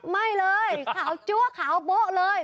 ไม่เลยขาวจั๊วขาวโบ๊ะเลย